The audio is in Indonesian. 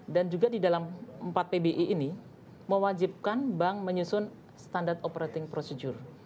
dan juga di dalam empat pbi ini mewajibkan bank menyusun standard operating procedure